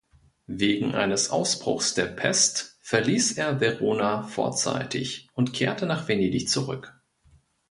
Wegen eines Ausbruchs der Pest verließ er Verona vorzeitig und kehrte nach Venedig zurück.